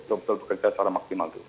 untuk kerja secara maksimal dulu